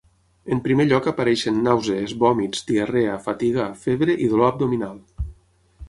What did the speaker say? En primer lloc apareixen nàusees, vòmits, diarrea, fatiga, febre i dolor abdominal.